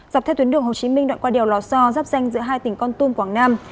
dọc theo tuyến đường hồ chí minh đoạn qua đèo lò so giáp danh giữa hai tỉnh con tum quảng nam